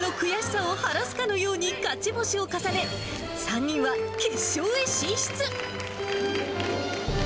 個人戦の悔しさを晴らすかのように勝ち星を重ね、３人は決勝へ進出。